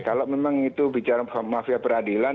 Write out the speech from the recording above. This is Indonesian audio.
kalau memang itu bicara mafia peradilan